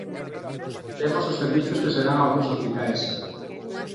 Lemos os servizos que se dan a outros hospitais.